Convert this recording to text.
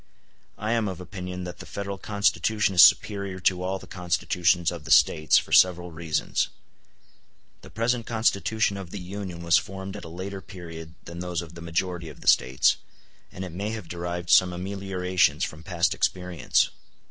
I am of opinion that the Federal Constitution is superior to all the Constitutions of the States, for several reasons. The present Constitution of the Union was formed at a later period than those of the majority of the States, and it may have derived some ameliorations from past experience.